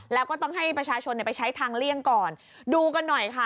แล้วก็ต้องให้ประชาชนไปใช้ทางเลี่ยงก่อนดูกันหน่อยค่ะ